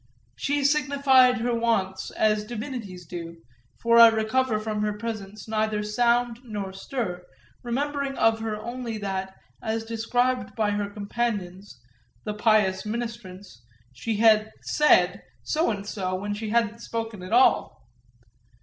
She signified her wants as divinities do, for I recover from her presence neither sound nor stir, remembering of her only that, as described by her companions, the pious ministrants, she had "said" so and so when she hadn't spoken at all.